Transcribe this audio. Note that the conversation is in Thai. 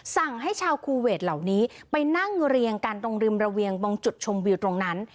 สั่งให้ชาวคูเวทเหล่านี้ไปนั่งเรียงกันตรงริมระเวียงบางจุดชมวิวตรงนั้น